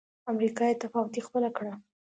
امریکا بې تفاوتي خپله کړه.